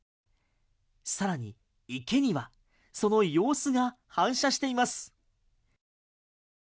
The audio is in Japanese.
更に、池にはその様子が反射しています。